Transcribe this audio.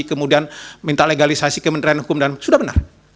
kemudian minta legalisasi kementerian hukum dan sudah benar